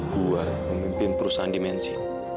gue memimpin perusahaan dimensi